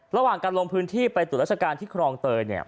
ระหว่างการลงพื้นที่ไปตรวจราชการที่ครองเตยเนี่ย